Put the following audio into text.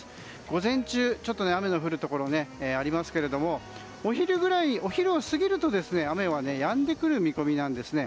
午前中、雨の降るところがありますけれどもお昼を過ぎると雨はやんでくる見込みなんですね。